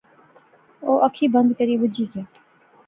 او اکھی بند کری بہجی گیا